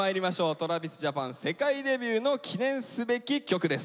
ＴｒａｖｉｓＪａｐａｎ世界デビューの記念すべき曲です。